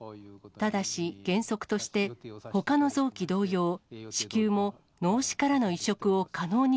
ただし、原則としてほかの臓器同様、子宮も、脳死からの移植を可能に